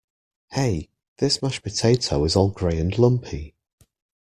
Hey! This mashed potato is all grey and lumpy!